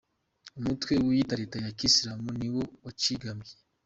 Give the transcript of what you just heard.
Umutwe wiyita leta ya kisilamu ni wo wacyigambye.